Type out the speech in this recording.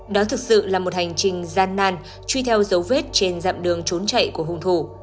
đó thực sự là một hành trình gian nan truy theo dấu vết trên dặm đường trốn chạy của hung thủ